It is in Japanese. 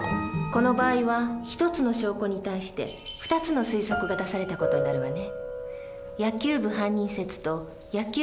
この場合は１つの証拠に対して２つの推測が出された事になるわね。